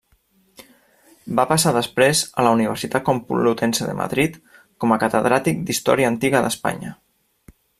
Va passar després a la Universitat Complutense de Madrid com a catedràtic d'Història Antiga d'Espanya.